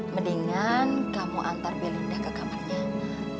mendingan kamu antar belinda ke kamarnya